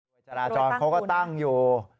โดยจราจรเขาก็ตั้งอยู่